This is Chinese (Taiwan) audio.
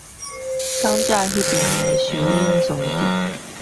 講者那邊的收音裝置